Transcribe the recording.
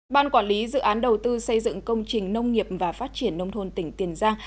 ban quản lý dự án đầu tư xây dựng công trình nông nghiệp và phát triển nông thôn tỉnh tiền giang